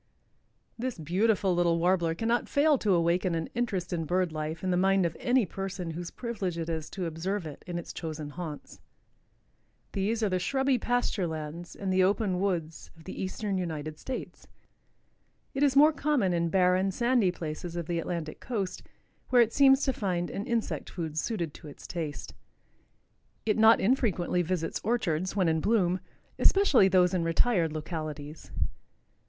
_) This beautiful little Warbler cannot fail to awaken an interest in bird life in the mind of any person whose privilege it is to observe it in its chosen haunts. These are the shrubby pasture lands and the open woods of the eastern United States. It is more common in barren, sandy places of the Atlantic coast, where it seems to find an insect food suited to its taste. It not infrequently visits orchards, when in bloom, especially those in retired localities.